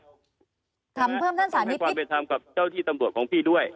ฮะตามเพิ่มท่านศาลิคตามให้ความไปทำกับเจ้าที่ตำโหลดของพี่ด้วย